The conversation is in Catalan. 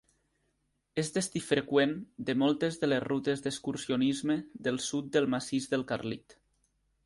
És destí freqüent de moltes de les rutes d'excursionisme del sud del Massís del Carlit.